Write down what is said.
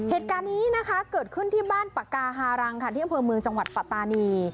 เหตุการณ์นี้เกิดขึ้นที่บ้านปกาฮารังในที่บริเวณเมืองจังหวัดปะตานี